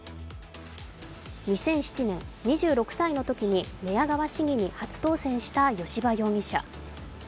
２００７年、２６歳のときに寝屋川市議に初当選した吉羽容疑者。